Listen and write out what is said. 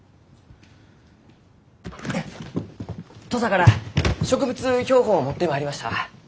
土佐から植物標本を持ってまいりました。